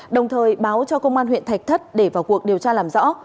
đồng thời báo cho công an huyện thạch thất để vào cuộc điều tra làm rõ